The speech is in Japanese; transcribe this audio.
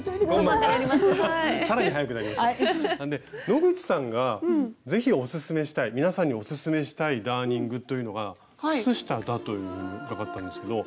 野口さんがぜひおすすめしたい皆さんにおすすめしたいダーニングというのが靴下だと伺ったんですけど。